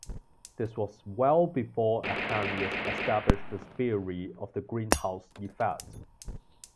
This was well before Arrhenius established the theory of the greenhouse effect.